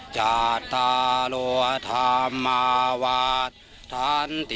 ยายทั่วแล้วมากกว่าอะไร